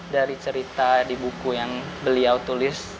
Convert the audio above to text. dari cerita di buku yang beliau tulis